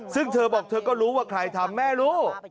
ซึ่งเธอบอกเธอก็รู้ว่าใครทำแม่รู้